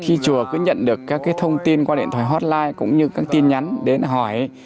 khi chùa cứ nhận được các thông tin qua điện thoại hotline cũng như các tin nhắn đến hỏi